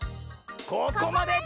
ここまで！